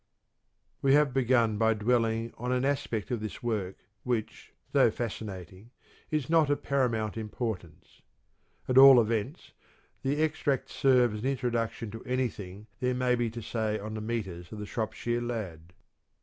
We have begun by dwelling on an aspect of this work which, though fascinating, is not of paramount importance. At all events, the extracts serve as an introduction to anything there may be to say on the metres of the "Shropshire Lad."